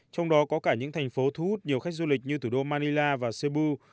trong đó có cả những thành phố thu hút nhiều khách du lịch như thủ đô manila và sébu